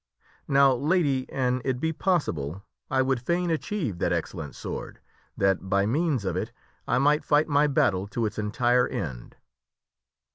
Now, Lady, an it be possible, I would fain achieve that excel lent sword, that, by means of it I might fight my battle to its entire end."